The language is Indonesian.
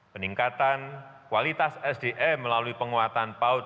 peningkatan kualitas sdm melalui penguatan paut